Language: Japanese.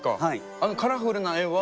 あのカラフルな絵は？